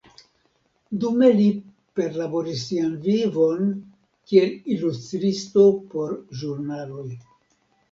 Dume li perlaboris sian vivon kiel ilustristo por ĵurnaloj.